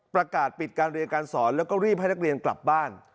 ประกาศปิดการเรียนการสอนแล้วก็รีบให้นักเรียนกลับบ้าน